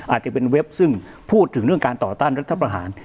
อาจจะเป็นเว็บซึ่งพูดถึงเรื่องการต่อต้านรัฐประหาร